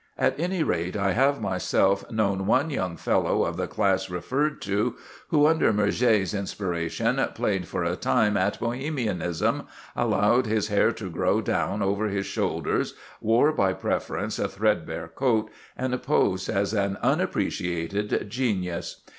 At any rate, I have myself known one young fellow of the class referred to who, under Murger's inspiration, played for a time at Bohemianism, allowed his hair to grow down over his shoulders, wore by preference a threadbare coat, and posed as an unappreciated genius.